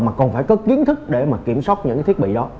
mà còn phải có kiến thức để mà kiểm soát những cái thiết bị đó